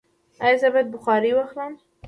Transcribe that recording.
ایا زه باید بخار واخلم؟